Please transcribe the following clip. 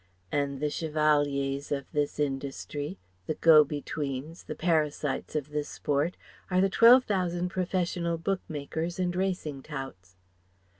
And the chevaliers of this "industry," the go betweens, the parasites of this sport, are the twelve thousand professional book makers and racing touts.